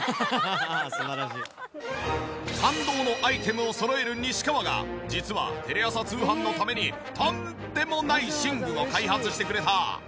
感動のアイテムを揃える西川が実はテレ朝通販のためにとんでもない寝具を開発してくれた。